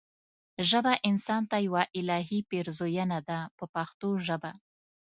ژبه انسان ته یوه الهي پیرزوینه ده په پښتو ژبه.